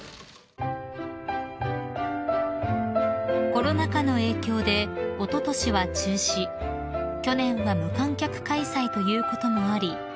［コロナ禍の影響でおととしは中止去年は無観客開催ということもあり